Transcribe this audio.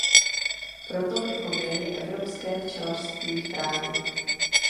Proto bychom měli evropské včelařství chránit.